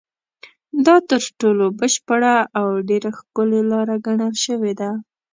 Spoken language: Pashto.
دا تر ټولو بشپړه او ډېره ښکلې لاره ګڼل شوې ده.